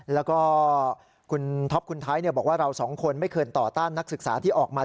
แล้วก็คุณท็อปคุณไทยบอกว่าเราสองคนไม่เคยต่อต้านนักศึกษาที่ออกมา